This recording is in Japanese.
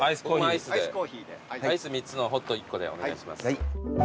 アイス３つのホット１個でお願いします。